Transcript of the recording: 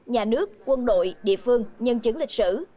nhà nước quân đội địa phương nhân chứng lịch sử